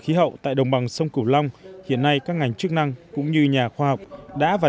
khí hậu tại đồng bằng sông cửu long hiện nay các ngành chức năng cũng như nhà khoa học đã và